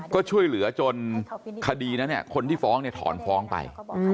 ก็ช่วยเหลือจนคดีนั้นคนที่ฟ้องถอนฟ้องไป